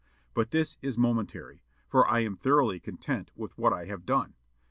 But this is momentary; for I am thoroughly content with what I have done.